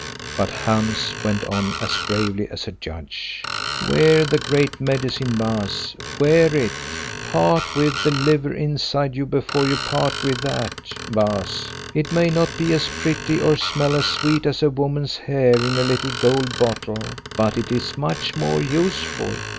But Hans went on as gravely as a judge, "Wear the Great Medicine, Baas, wear it; part with the liver inside you before you part with that, Baas. It may not be as pretty or smell as sweet as a woman's hair in a little gold bottle, but it is much more useful.